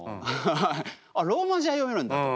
あっローマ字は読めるんだと。